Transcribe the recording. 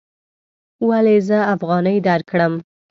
ولې زه افغانۍ درکړم؟